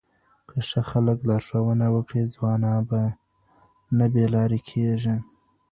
که ښه خلک لارښوونه وکړي، ځوانان به نه بې لارې کیږي.